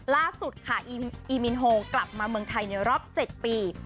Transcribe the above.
ล่าสุดค่ะอีมินโฮกลับมาเมืองไทยในรอบ๗ปี